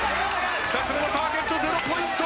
２つ目のターゲット０ポイント。